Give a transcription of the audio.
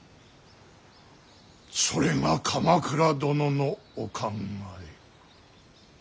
それが鎌倉殿のお考え。